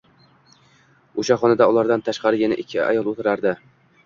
O`sha xonada ulardan tashqari yana ikki ayol o`tirardi